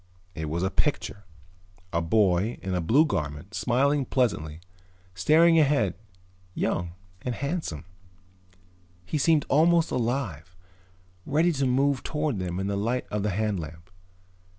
It was a picture. A boy in a blue garment, smiling pleasantly, staring ahead, young and handsome. He seemed almost alive, ready to move toward them in the light of the hand lamp.